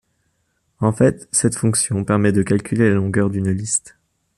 En fait, cette fonction permet de calculer la longueur d'une liste.